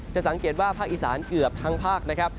สังเกตว่าภาคอีสานเกือบทั้งภาคนะครับ